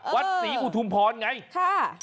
วัดศรีอุทุมพรไง